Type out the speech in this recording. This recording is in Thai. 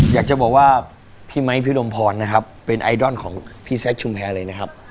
อยากจะบอกว่าพี่ไมค์พี่รมพรนะครับเป็นไอดอลของพี่แซคชุมแพรเลยนะครับ